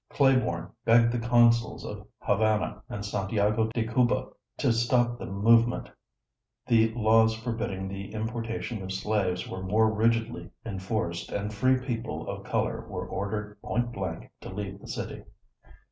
Claiborne begged the consuls of Havana and Santiago de Cuba to stop the movement; the laws forbidding the importation of slaves were more rigidly enforced; and free people of color were ordered point blank to leave the city.